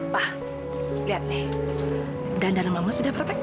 pak lihat nih dandanan mama sudah perfect